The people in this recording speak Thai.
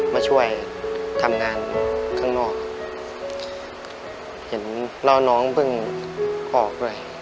มาช่วยทำงานข้างนอกเห็นแล้วน้องเพิ่งออกด้วย